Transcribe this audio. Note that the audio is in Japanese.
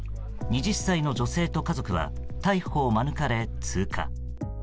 ２０歳の女性と家族は逮捕を免れ、通過。